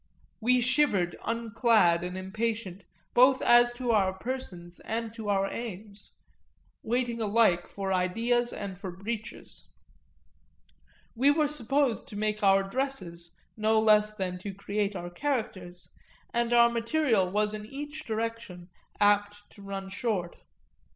We shivered unclad and impatient both as to our persons and to our aims, waiting alike for ideas and for breeches; we were supposed to make our dresses no less than to create our characters, and our material was in each direction apt to run short.